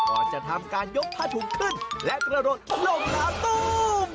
ก่อนจะทำการยกผ้าถุงขึ้นและกระโดดลงน้ำตู้ม